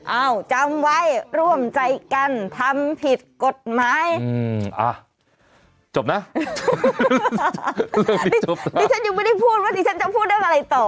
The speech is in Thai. เอ้าจำไว้ร่วมใจกันทำผิดกฎหมาย